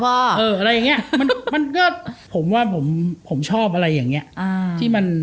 เอออะไรอย่างนี้มันก็ผมว่าผมชอบอะไรอย่างนี้